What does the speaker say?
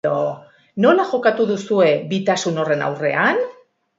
Nola jokatu duzue bitasun horren aurrean?